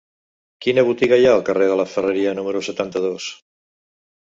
Quina botiga hi ha al carrer de la Ferreria número setanta-dos?